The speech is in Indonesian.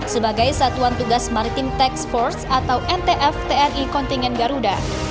sebagai satuan tugas maritim tax force atau ntf tni kontingen garuda